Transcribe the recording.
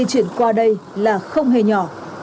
đi chuyển qua đây là không hề nhỏ